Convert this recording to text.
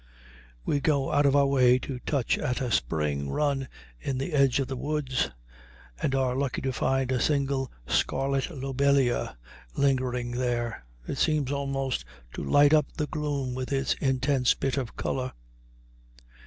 We go out of our way to touch at a spring run in the edge of the woods, and are lucky to find a single scarlet lobelia lingering there. It seems almost to light up the gloom with its intense bit of color.